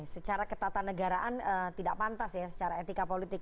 secara ketatanegaraan tidak pantas ya secara etika politik